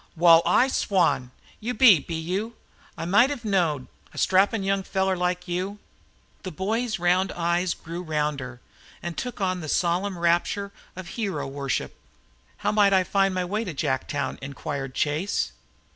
"Wal, I swan! You be, be you? I might hev knowed it, a strappin' young feller like you." The boy's round eyes grew rounder and took on the solemn rapture of hero worship. "How might I find my way to Jacktown?" Inquired Chase.